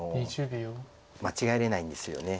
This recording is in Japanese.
間違えれないんですよね。